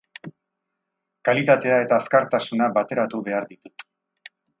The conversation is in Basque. Kalitatea eta azkartasuna bateratu behar ditut.